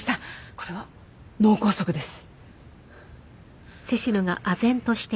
これは脳梗塞です。